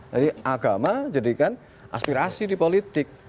jadi agama jadikan aspirasi di politik